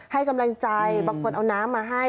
ให้กำลังใจบางคนเอาน้ำมาให้